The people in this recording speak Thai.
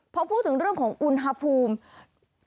พอพูดถึงเรื่องของอุณหภูมิ